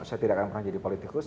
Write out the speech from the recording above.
saya tidak akan pernah jadi politikus